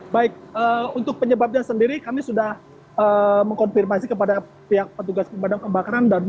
baik untuk penyebabnya sendiri kami sudah mengkonfirmasi kepada pihak petugas pemadam kebakaran